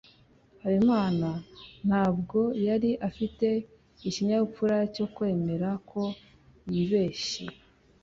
habimana ntabwo yari afite ikinyabupfura cyo kwemera ko yibeshye